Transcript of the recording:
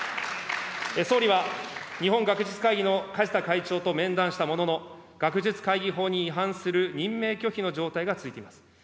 総理は、日本学術会議の梶田会長と面談したものの、学術会議法に違反する任命拒否の状態が続いています。